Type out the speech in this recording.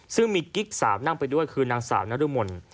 ซึ่งมีกิ๊กสาวนั่งไปด้วยคือนางสาวนรมน